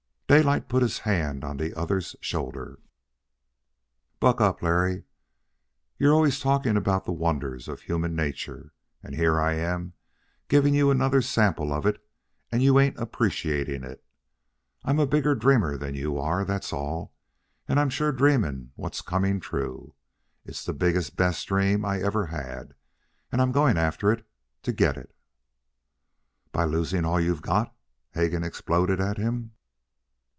Daylight put his hand on the other's shoulder. "Buck up, Larry. You're always talking about the wonders of human nature, and here I am giving you another sample of it and you ain't appreciating it. I'm a bigger dreamer than you are, that's all, and I'm sure dreaming what's coming true. It's the biggest, best dream I ever had, and I'm going after it to get it " "By losing all you've got," Hegan exploded at him.